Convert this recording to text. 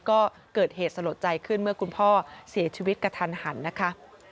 ก็เกิดเหตุสลดใจขึ้นเมื่อคุณพ่อเสียชีวิตกระทันหันนะคะ